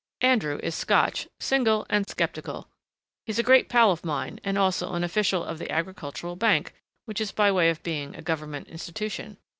"Andrew is Scotch, Single, and Skeptical. He is a great pal of mine and also an official of the Agricultural Bank which is by way of being a Government institution.